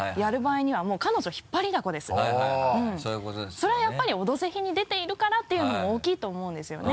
それはやっぱり「オドぜひ」に出ているからっていうのも大きいと思うんですよね。